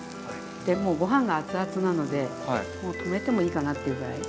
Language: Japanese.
でもうご飯がアツアツなのでもう止めてもいいかなっていうぐらい。